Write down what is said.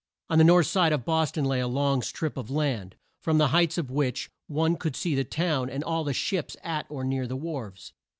On the north side of Bos ton lay a long strip of land, from the heights of which one could see the town and all the ships at or near the wharves.